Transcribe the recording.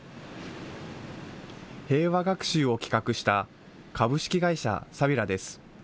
平和学習を企画した、株式会社さびらです。